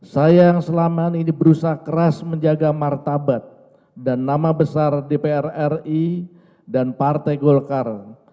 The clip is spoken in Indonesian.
saya yang selama ini berusaha keras menjaga martabat dan nama besar dpr ri dan partai golkar